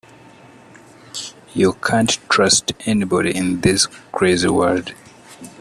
You can't trust anybody in this crazy world.